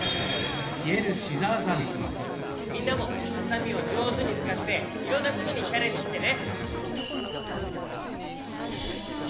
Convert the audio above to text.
みんなもハサミをじょうずにつかっていろんなことにチャレンジしてね。